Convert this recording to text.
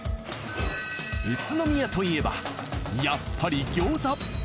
宇都宮といえばやっぱり餃子。